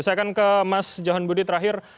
saya akan ke mas johan budi terakhir